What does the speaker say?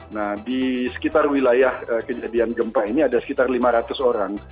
nah di sekitar wilayah kejadian gempa ini ada sekitar lima ratus orang